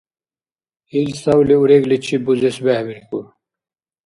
Ил савли урегличиб бузес бехӀбирхьур